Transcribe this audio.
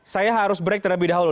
saya harus break terlebih dahulu